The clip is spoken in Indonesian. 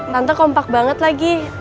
tante kompak banget lagi